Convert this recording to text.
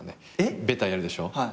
ベタやるでしょ。